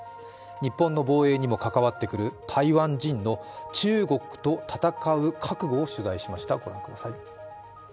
日本の防衛にも関わってくる台湾人の中国と戦う覚悟を取材しました。